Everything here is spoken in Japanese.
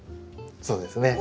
そうですね。